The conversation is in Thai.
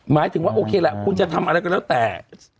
หมายถึงว่าโอเคล่ะคุณจะทำอะไรก็แล้วแต่